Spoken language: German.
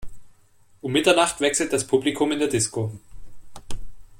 Um Mitternacht wechselt das Publikum in der Disco.